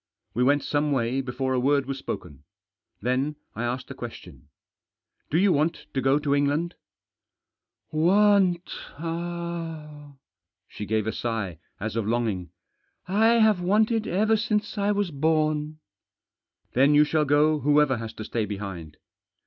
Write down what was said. We went some way before a word was spoken. Then I asked a question. " Do you want to go to England ?"" Want !" She gave a sigh, as of longing. " I have wanted ever since I was born." " Then you shall go whoever has to stay behind."